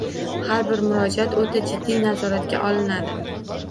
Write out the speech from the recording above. Har bir murojaat oʻta jiddiy nazoratga olinadi.